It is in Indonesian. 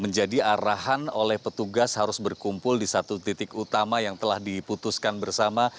menjadi arahan oleh petugas harus berkumpul di satu titik utama yang telah diputuskan bersama